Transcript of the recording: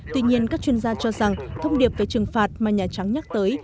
tuy nhiên các chuyên gia cho rằng thông điệp về trừng phạt mà nhà trắng nhắc tới